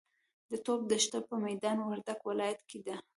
د ټوپ دښته په میدا وردګ ولایت کې ده.